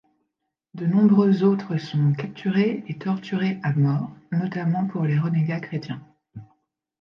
De nombreux autres sont capturés et torturés à mort, notamment pour les renégats chrétiens.